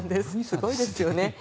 すごいですよね。